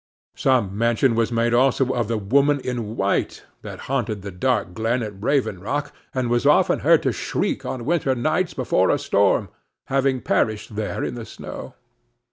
Some mention was made also of the woman in white, that haunted the dark glen at Raven Rock, and was often heard to shriek on winter nights before a storm, having perished there in the snow.